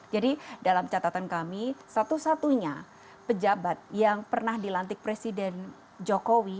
jadi dalam catatan kami satu satunya pejabat yang pernah dilantik presiden jokowi